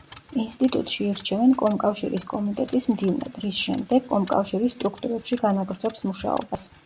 ინსტიტუტში ირჩევენ კომკავშირის კომიტეტის მდივნად, რის შემდეგ კომკავშირის სტრუქტურებში განაგრძობს მუშაობას.